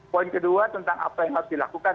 poin kedua tentang apa yang harus dilakukan